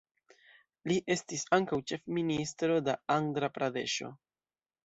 Li estis ankaŭ ĉefministro de Andra-Pradeŝo.